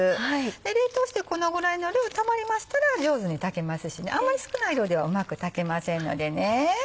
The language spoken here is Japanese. で冷凍してこのぐらいの量たまりましたら上手に炊けますしねあんまり少ない量ではうまく炊けませんのでね。